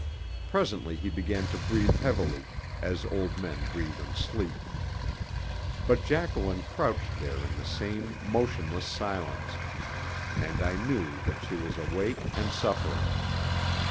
Presently he began to breathe heavily, as old men breathe in sleep. But Jacqueline crouched there in the same motionless silence, and I knew that she was awake and suffering.